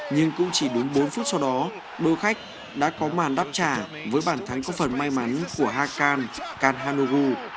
nhưng cũng chỉ đúng bốn phút sau đó đôi khách đã có màn đáp trả với bàn thắng có phần may mắn của hakan kanhanogu